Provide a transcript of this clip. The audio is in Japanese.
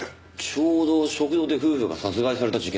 ちょうど食堂で夫婦が殺害された事件の。